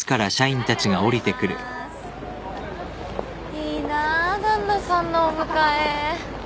いいなぁ旦那さんのお迎え。